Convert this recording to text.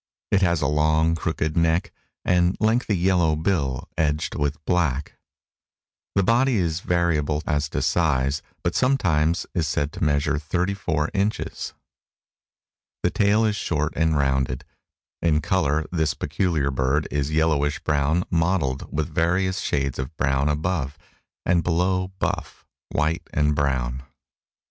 It has a long, crooked neck, and lengthy yellow bill edged with black. The body is variable as to size, but sometimes is said to measure thirty four inches. The tail is short and rounded. In color this peculiar bird is yellowish brown mottled with various shades of brown above, and below buff, white and brown.